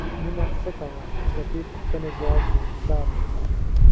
مینه څه ته وایي د دې پوښتنې ځواب دا دی.